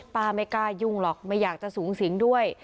ไม่กล้ายุ่งหรอกไม่อยากจะสูงสิงด้วย